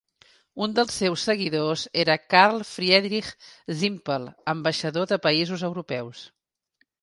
Un dels seus seguidors era Carl-Friedich Zimpel, ambaixador de països europeus.